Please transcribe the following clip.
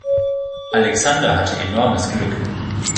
Alexander hatte enormes Glück.